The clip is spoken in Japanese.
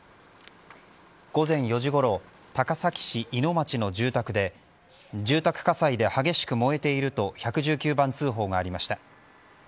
午前４時ごろ高崎市井野町の住宅で住宅火災で激しく燃えていると１１９番通報がありました。